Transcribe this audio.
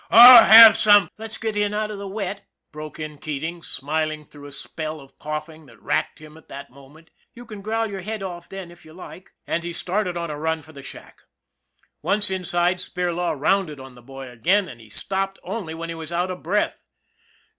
I'll have some "" Let's get in out of the wet," broke in Keating, smiling through a spell of coughing that racked him at that moment. " You can growl your head off then, if you like " and he started on a run for the shack. Once inside, Spirlaw rounded on the boy again, and he stopped only when he was out of breath.